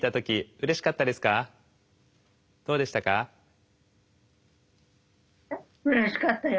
うれしかったよ。